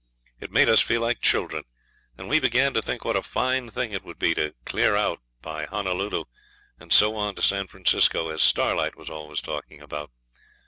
It made us feel like children, and we began to think what a fine thing it would be to clear out by Honolulu, and so on to San Francisco, as Starlight was always talking about.